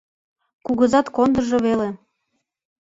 Кугызат кондыжо веле».